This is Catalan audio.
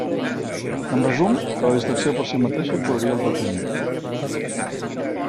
En resum, que la distracció per si mateixa curaria el deprimit.